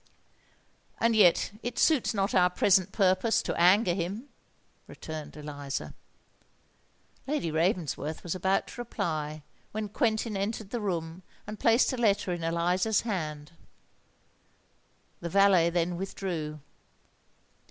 "And yet it suits not our present purpose to anger him," returned Eliza. Lady Ravensworth was about to reply, when Quentin entered the room and placed a letter in Eliza's hands. The valet then withdrew.